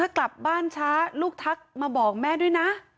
กลับบ้านช้าลูกทักมาบอกแม่ด้วยนะ